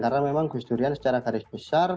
karena memang gusdurian secara garis besar